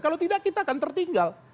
kalau tidak kita akan tertinggal